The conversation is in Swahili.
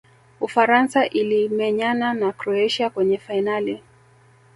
ufaransa ilimenyana na croatia kwenye fainali